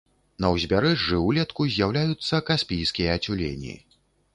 На ўзбярэжжы ўлетку з'яўляюцца каспійскія цюлені.